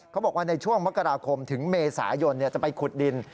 เขาบอกว่าในช่วงมกราคมถึงเมษายนจะไปขุดดิน